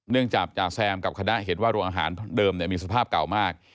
เนื่องจากจ่าแซมกับคณะเห็นว่าโรงอาหารเดิมมีสภาพเก่ามาก